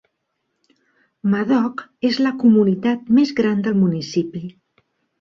Madoc és la comunitat més gran del municipi.